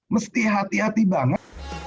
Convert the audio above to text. mesti hati hati banget